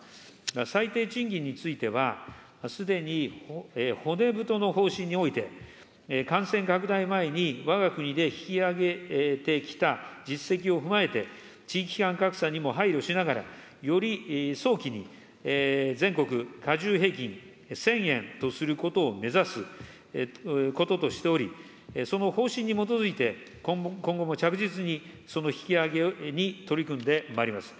最低賃金については、すでに骨太の方針において、感染拡大前にわが国で引き上げてきた実績を踏まえて、地域間格差にも配慮しながら、より早期に、全国かじゅう平均１０００円とすることを目指すこととしており、その方針に基づいて、今後も着実にその引き上げに取り組んでまいります。